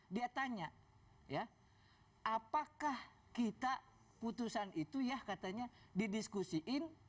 dia tanya ya apakah kita putusan itu ya katanya didiskusiin